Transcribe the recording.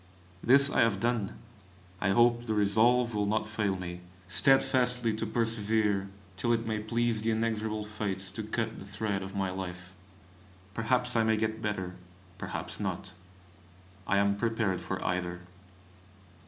This I have done. I hope the resolve will not fail me, steadfastly to persevere till it may please the inexorable Fates to cut the thread of my life. Perhaps I may get better, perhaps not. I am prepared for either.